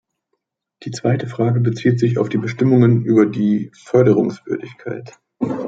Die zweite Frage bezieht sich auf die Bestimmungen über die Förderungswürdigkeit.